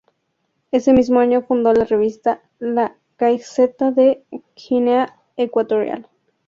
Ese mismo año fundó la revista "La Gaceta de Guinea Ecuatorial".